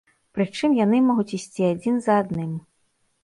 Прычым яны могуць ісці адзін за адным.